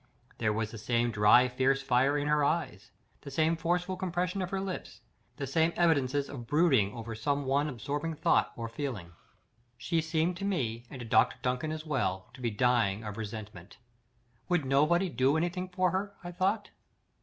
There was the same dry fierce fire in her eyes; the same forceful compression of her lips; the same evidences of brooding over some one absorbing thought or feeling. She seemed to me, and to Dr Duncan as well, to be dying of resentment. Would nobody do anything for her? I thought.